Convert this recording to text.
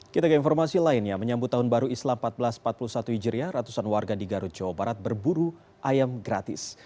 kita ke informasi lainnya menyambut tahun baru islam seribu empat ratus empat puluh satu hijriah ratusan warga di garut jawa barat berburu ayam gratis